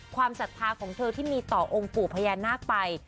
ความศักดิ์ภาคของเธอที่มีต่อองค์ปู่พญานาคไป